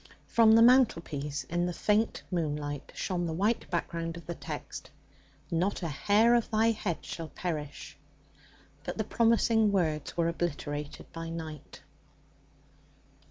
From the mantlepiece in the faint moonlight shone the white background of the text, 'Not a hair of thy head shall perish.' But the promising words were obliterated by night.